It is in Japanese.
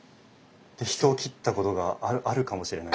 で人を斬ったことがあるかもしれない。